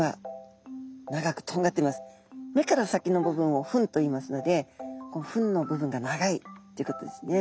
目から先の部分を吻といいますので吻の部分が長いということですね。